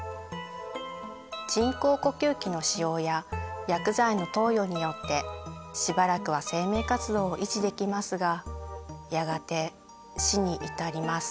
人工呼吸器の使用や薬剤の投与によってしばらくは生命活動を維持できますがやがて死に至ります。